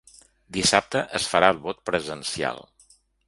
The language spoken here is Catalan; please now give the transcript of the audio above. Dissabte es farà el vot presencial.